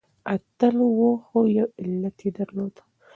اتل و خو يو علت يې درلودی .